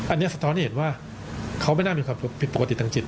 อันนี้สะท้อนให้เห็นว่าเขาไม่น่ามีความผิดปกติทางจิต